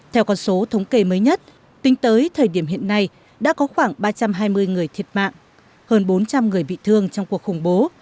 theo con số thống kê mới nhất tính tới thời điểm hiện nay đã có khoảng ba trăm hai mươi người thiệt mạng hơn bốn trăm linh người bị thương trong cuộc khủng bố